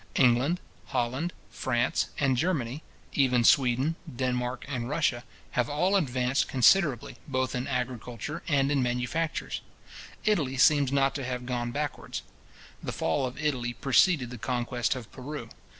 England, Holland, France, and Germany; even Sweden, Denmark, and Russia, have all advanced considerably, both in agriculture and in manufactures. Italy seems not to have gone backwards. The fall of Italy preceded the conquest of Peru.